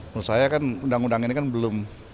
menurut saya kan undang undang ini kan belum